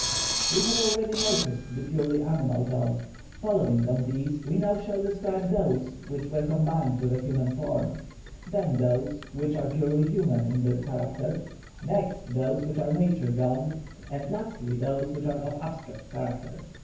We have already noticed the purely animal gods; following on these we now shall describe those which were combined with a human form, then those which are purely human in their character, next those which are nature gods, and lastly those which are of an abstract character.